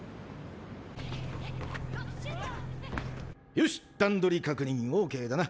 よし段取り確認ＯＫだな。